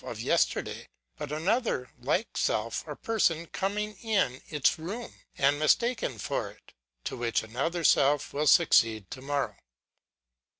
Of Personal Identity 261 yesterday, but another like self or person coming in its room, and mistaken for it ; to which another self will succeed to morrow.